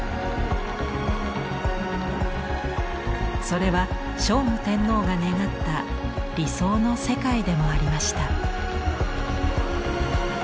それは聖武天皇が願った理想の世界でもありました。